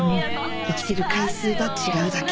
生きてる回数が違うだけ